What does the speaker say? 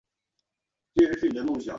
玛氏还是一个家庭企业。